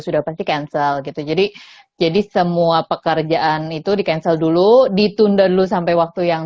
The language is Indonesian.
sudah pasti cancel gitu jadi jadi semua pekerjaan itu di cancel dulu ditunda dulu sampai waktu yang